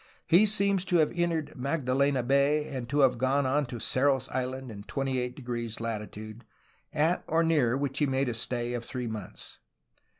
He seems to have entered Magdalena Bay, and to have gone on to Cerros Is land in 28° latitude, at or near which he made a stay of three months.